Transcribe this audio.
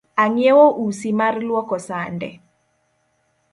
Ang’iewo usi mar luoko sande